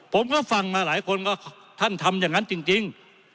ผมก็ฟังมาหลายคนก็ท่านทำอย่างนั้นจริง